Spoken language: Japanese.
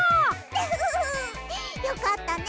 フフフよかったね